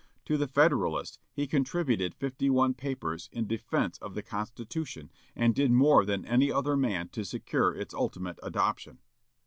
To the Federalist he contributed fifty one papers in defence of the Constitution, and did more than any other man to secure its ultimate adoption.